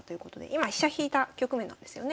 今飛車引いた局面なんですよね？